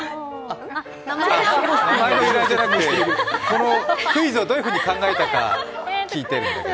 名前の由来じゃなくてこのクイズをどういうふうに考えたか聞いてるんだけど。